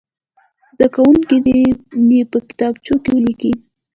زده کوونکي دې یې په کتابچو کې ولیکي.